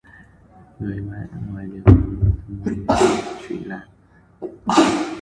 Người mã ngoài đẹp nhưng tâm hồn thì trụy lạc